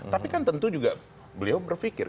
tapi kan tentu juga beliau berpikir